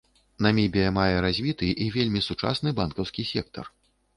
Намібія мае развіты і вельмі сучасны банкаўскі сектар.